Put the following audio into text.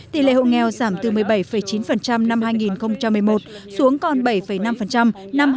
tỷ lệ hộ nghèo giảm từ một mươi bảy chín năm hai nghìn một mươi một xuống còn bảy năm năm hai nghìn một mươi bảy